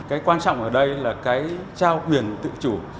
cái quan trọng ở đây là cái trao quyền tự chủ